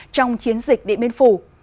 trong chiến dịch điện biên phủ